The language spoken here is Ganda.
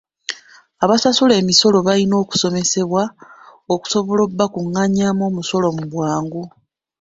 Abasasula emisolo balina okusomesebwa okusobola okubakungaanyaamu omusolo mu bwangu.